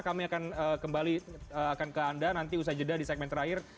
kami akan kembali akan ke anda nanti usai jeda di segmen terakhir